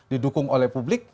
didukung oleh publik